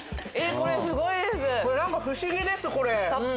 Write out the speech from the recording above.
これ何か不思議ですこれ。